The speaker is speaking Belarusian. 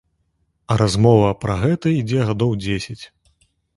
А размова пра гэта ідзе гадоў дзесяць.